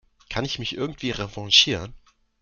Kann ich mich irgendwie revanchieren?